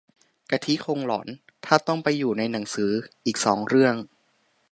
กะทิคงหลอนถ้าต้องไปอยู่ในหนังอีกสองเรื่อง